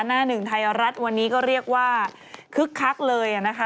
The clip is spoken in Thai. หน้าหนึ่งไทยรัฐวันนี้ก็เรียกว่าคึกคักเลยนะคะ